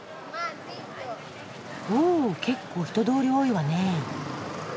お結構人通り多いわね。